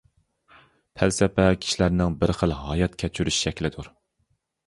پەلسەپە-كىشىلەرنىڭ بىر خىل ھايات كەچۈرۈش شەكلىدۇر.